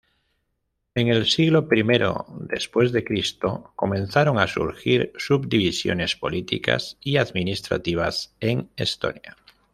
En el siglo I dC comenzaron a surgir subdivisiones políticas y administrativas en Estonia.